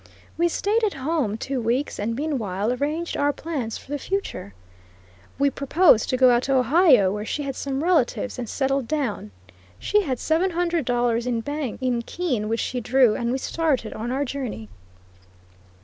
We stayed at home two weeks, and meanwhile arranged our plans for the future. We proposed to go out to Ohio, where she had some relatives, and settle down. She had seven hundred dollars in bank in Keene which she drew, and we started on our journey.